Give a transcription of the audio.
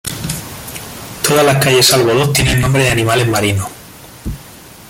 Todas las calles salvo dos tienen nombre de animales marinos.